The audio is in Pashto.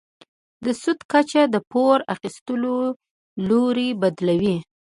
د سود کچه د پور اخیستلو لوری بدلوي.